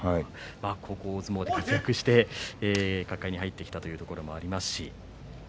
高校相撲で活躍をして角界に入ってきたというところもありましたし